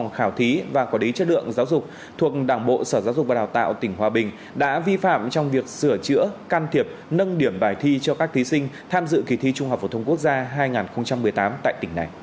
kỳ thi trung học phổ thông quốc gia hai nghìn một mươi tám tại tỉnh này